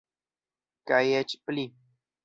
Kaj eĉ pli!